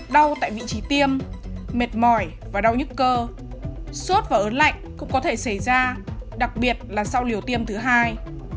đau tại vị trí tiêm mệt mỏi và đau nhức cơ sốt và ớn lạnh cũng có thể xảy ra đặc biệt là sau liều tiêm thứ hai